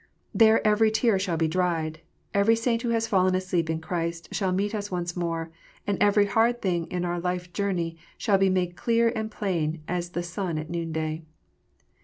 There every tear shall be dried, every saint who has fallen asleep in Christ shall meet us once more, and every hard thing in our life journey shall be made clear and plain as the sun at noon day.